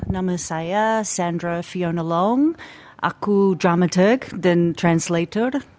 nama saya sandra fiona long aku dramaturg dan translator